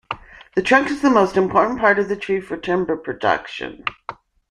The trunk is the most important part of the tree for timber production.